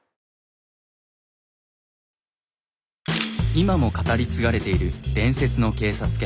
今も語り継がれている伝説の警察犬。